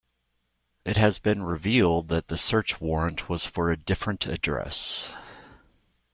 It has been revealed that the search warrant was for a different address.